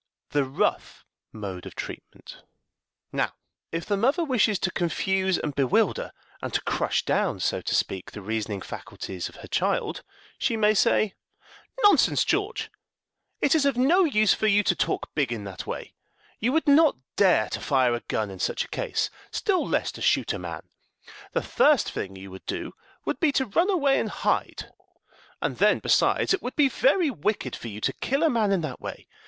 The Rough Mode of Treatment. Now, if the mother wishes to confuse and bewilder, and to crush down, so to speak, the reasoning faculties of her child, she may say, "Nonsense, George! It is of no use for you to talk big in that way. You would not dare to fire a gun in such a case, still less, to shoot a man. The first thing you would do would be to run away and hide. And then, besides, it would be very wicked for you to kill a man in that way.